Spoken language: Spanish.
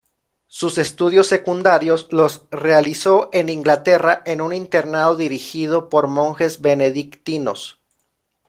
Sus estudios secundarios los realizó en Inglaterra en un internado dirigido por monjes benedictinos.